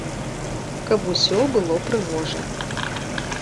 Каб усё было прыгожа.